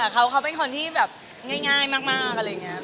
เขาเป็นคนที่ง่ายมาก